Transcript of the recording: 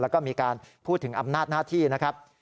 แล้วก็มีการพูดถึงอำนาจหน้าที่นะครับ